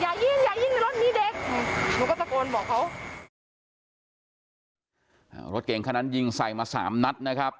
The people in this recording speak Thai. ในรถมีเด็กหนูก็ตะโกนบอกเขารถเก่งขนาดยิงใส่มาสามนัดนะครับ